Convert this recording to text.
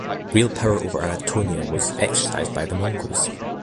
Real power over Anatolia was exercised by the Mongols.